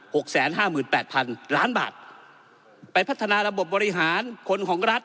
กแสนห้าหมื่นแปดพันล้านบาทไปพัฒนาระบบบบริหารคนของรัฐ